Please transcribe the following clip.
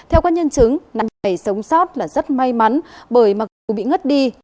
nạn nhân này sống sót là rất may mắn bởi mặc dù bị ngất đi